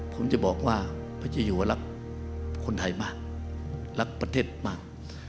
ผมจะบอกว่าพระเจ้าอยู่ว่ารักคนไทยมากรักประเทศมาก